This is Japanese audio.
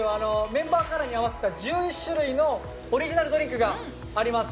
メンバーカラーに合わせた１１種類のオリジナルドリンクがあります。